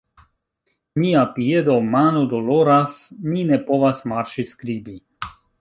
Mia piedo mano doloras, mi ne povas marŝi skribi.